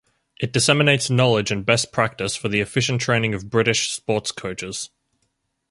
It disseminates knowledge and best practice for the efficient training of British sports coaches.